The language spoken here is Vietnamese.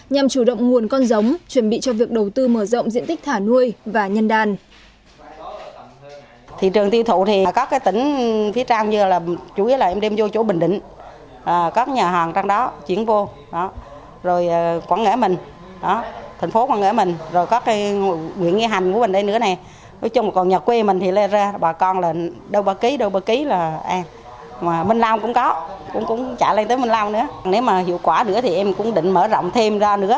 nhằm chủ động nguồn con giống chuẩn bị cho việc đầu tư mở rộng diện tích thả nuôi và nhân đàn